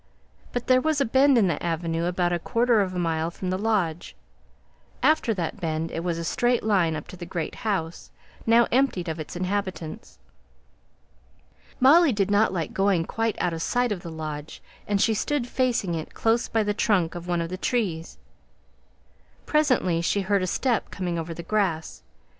But there was a bend in the avenue about a quarter of a mile from the lodge; after that bend it was a straight line up to the great house, now emptied of its inhabitants. Molly did not like going quite out of sight of the lodge, and she stood facing it, close by the trunk of one of the trees. Presently she heard a step coming over the grass.